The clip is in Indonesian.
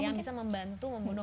yang bisa membantu membunuh